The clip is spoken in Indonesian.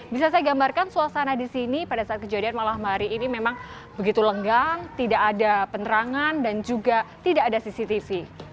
bisa saya gambarkan suasana di sini pada saat kejadian malam hari ini memang begitu lenggang tidak ada penerangan dan juga tidak ada cctv